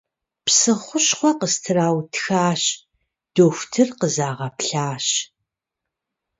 Псы хущхъуэ къыстраутхащ, дохутыр къызагъэплъащ.